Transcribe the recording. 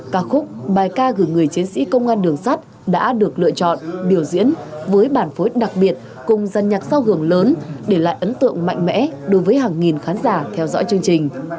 các khúc bài ca gửi người chiến sĩ công an đường sắt đã được lựa chọn biểu diễn với bản phối đặc biệt cùng dàn nhạc sao hưởng lớn để lại ấn tượng mạnh mẽ đối với hàng nghìn khán giả theo dõi chương trình